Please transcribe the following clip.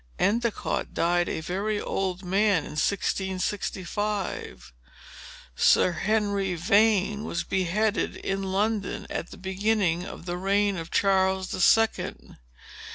Endicott died, a very old man, in 1665. Sir Henry Vane was beheaded in London, at the beginning of the reign of Charles the Second.